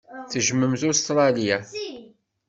Tejjmemt Ustṛalya?